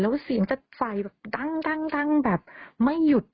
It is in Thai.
แล้วเสียงจะใส่แบบดั้งแบบไม่หยุด